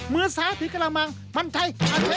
มือซ้ายถือกระมังมั่นใจ